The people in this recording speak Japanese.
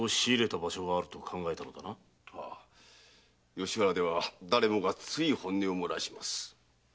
吉原では誰もがつい本音を漏らします。